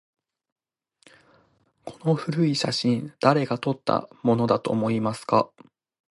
この古い写真、誰が撮ったものだと思いますか？